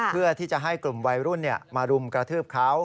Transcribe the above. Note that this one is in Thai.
เพื่อที่จะให้กลุ่มวัยรุ่นมารุมกระทืบเขา